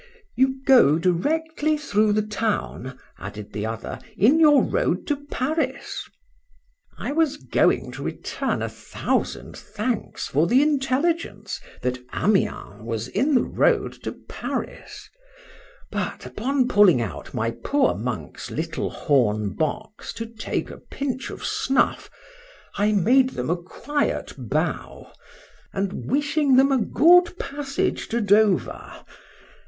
—You go directly through the town, added the other, in your road to Paris. I was going to return a thousand thanks for the intelligence, that Amiens was in the road to Paris, but, upon pulling out my poor monk's little horn box to take a pinch of snuff, I made them a quiet bow, and wishing them a good passage to Dover.